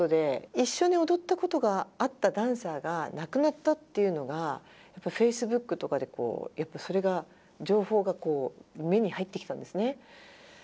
一緒に踊ったことがあったダンサーが亡くなったっていうのが、フェイスブックとかで、それが情報が目に入ってきたんですね。